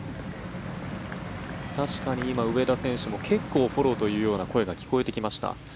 確かに今上田選手も結構フォローという声も聞こえてきました。